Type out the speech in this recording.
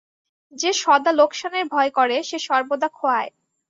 যে সদা লোকসানের ভয় করে, সে সর্বদা খোয়ায়।